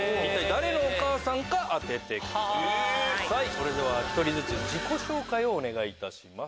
それでは１人ずつ自己紹介をお願いいたします。